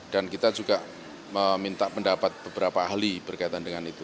dan kita juga minta pendapat beberapa ahli berkaitan dengan itu